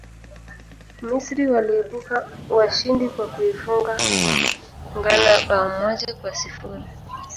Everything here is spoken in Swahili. misri waliibuka washindi kwa kuifunga ghana bao moja kwa sifuri